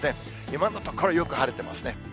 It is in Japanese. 今のところ、よく晴れてますね。